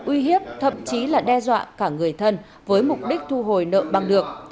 uy hiếp thậm chí là đe dọa cả người thân với mục đích thu hồi nợ bằng được